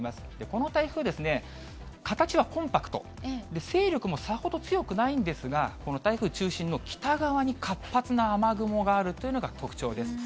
この台風ですね、形はコンパクト、勢力もさほど強くないんですが、この台風中心の北側に活発な雨雲があるというのが特徴です。